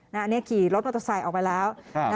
อันนี้ขี่รถมอเตอร์ไซค์ออกไปแล้ว